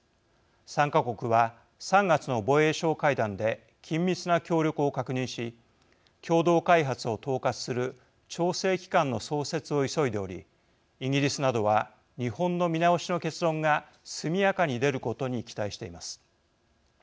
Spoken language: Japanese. ３か国は３月の防衛相会談で緊密な協力を確認し共同開発を統括する調整機関の創設を急いでおりイギリスなどは日本の見直しの結論が速やかに出ることに期待しています。